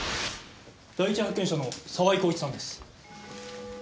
第一発見者の澤井弘一さんです。